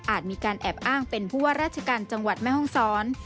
มีการแอบอ้างเป็นผู้ว่าราชการจังหวัดแม่ห้องซ้อน